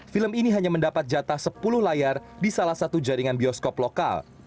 film ini hanya mendapat jatah sepuluh layar di salah satu jaringan bioskop lokal